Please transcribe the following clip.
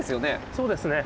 そうですね。